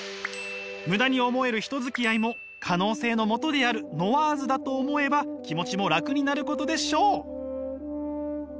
ムダに思える人付き合いも可能性のもとであるノワーズだと思えば気持ちも楽になることでしょう！